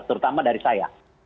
terutama dari saya